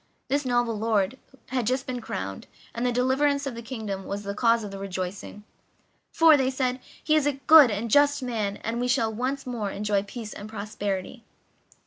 This noble lord had just been crowned, and the deliverance of the kingdom was the cause of the rejoicing "For," they said, "he is a good and just man, and we shall once more enjoy peace and prosperity."